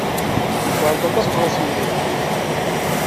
Nefɛent aṭas tɣawsiwin-agi.